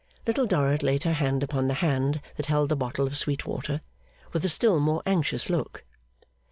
Little Dorrit laid her hand upon the hand that held the bottle of sweet water, with a still more anxious look.